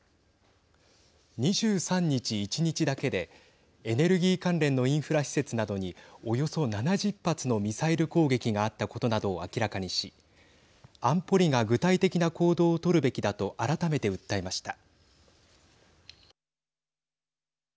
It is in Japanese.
２３日１日だけでエネルギー関連のインフラ施設などにおよそ７０発のミサイル攻撃があったことなどを明らかにし安保理が具体的な行動を取るべきだと改めて訴えました。